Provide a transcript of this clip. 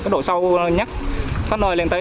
độ sâu nhất có nơi lên tới